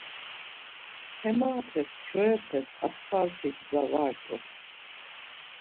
Hem orapes Kyoepes asfalt̆i gza va rt̆u.